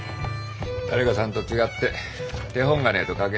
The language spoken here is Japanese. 誰かさんと違って手本がねえと描けねえがな。